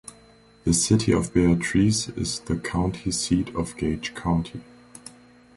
The city of Beatrice is the county seat of Gage County.